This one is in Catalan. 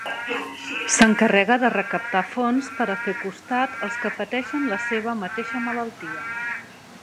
S'encarrega de recaptar fons per a fer costat als que pateixen la seva mateixa malaltia.